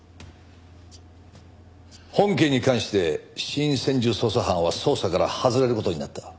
本件に関して新専従捜査班は捜査から外れる事になった。